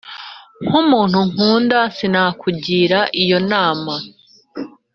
nk’umuntu nkunda sinakugira iyo nama,